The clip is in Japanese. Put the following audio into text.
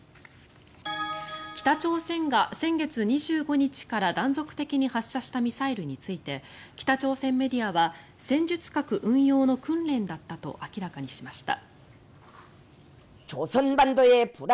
北朝鮮が先月２５日から断続的に発射したミサイルについて北朝鮮メディアは戦術核運用の訓練だったと明らかにしました。